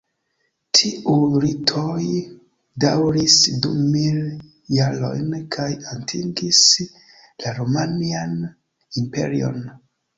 Tiuj ritoj daŭris du mil jarojn kaj atingis la Romian Imperion.